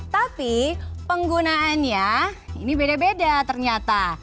tapi penggunaannya ini beda beda ternyata